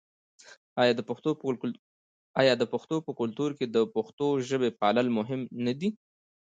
آیا د پښتنو په کلتور کې د پښتو ژبې پالل مهم نه دي؟